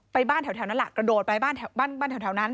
ไปบ้านแถวนั้นแหละกระโดดไปบ้านแถวนั้น